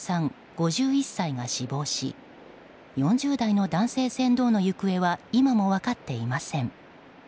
５１歳が死亡し４０代の男性船頭の行方は今も分かっていません。